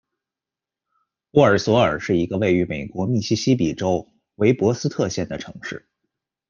沃尔索尔是一个位于美国密西西比州韦伯斯特县的城市。